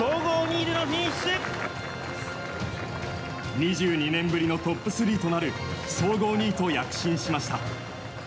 ２２年ぶりのトップ３となる総合２位と躍進しました。